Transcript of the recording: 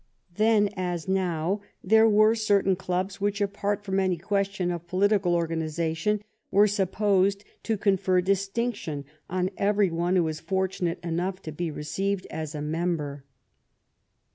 Then, as now, there were certain clubs which, apart from any ques tion of political organization, were supposed to confer distinction on every one who was fortunate enough to be received as a member.